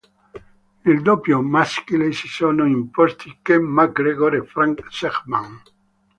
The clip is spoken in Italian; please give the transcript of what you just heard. Nel doppio maschile si sono imposti Ken McGregor e Frank Sedgman.